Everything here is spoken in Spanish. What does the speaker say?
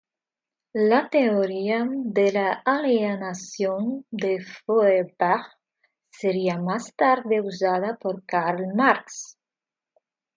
La teoría de la alienación de Feuerbach sería más tarde usada por Karl Marx.